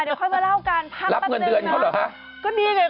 เดี๋ยวค่อยไปเล่ากันพักนิดหนึ่งเนอะได้ไหมครับรับเงินเดือนเขาหรือ